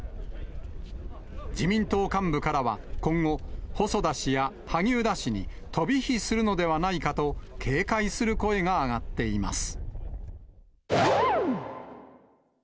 自民党幹部からは今後、細田氏や萩生田氏に飛び火するのではないかと、警戒する声が上がっています。